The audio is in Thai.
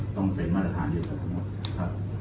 ต้องเป็นมาตรฐานเดียวกับทุกคน